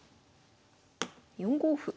４五歩。